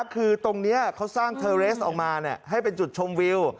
คือตรงนี้เขาสร้างเทอร์เรสออกมาให้เป็นจุดชมวิว